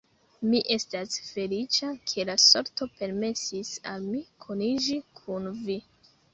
Mi estas feliĉa, ke la sorto permesis al mi koniĝi kun vi.